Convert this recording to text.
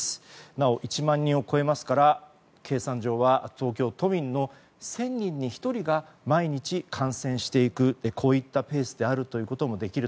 なお１万人を超えますから計算上は東京都民の１０００人に１人が毎日感染していくこういったペースであると言うこともできる。